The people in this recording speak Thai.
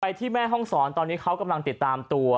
ที่แม่ห้องศรตอนนี้เขากำลังติดตามตัว